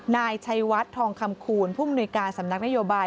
นายชัยวัดทองคำคูณผู้มนุยการสำนักนโยบาย